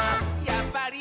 やっぱり！」